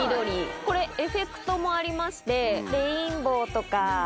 これエフェクトもありましてレインボーとか。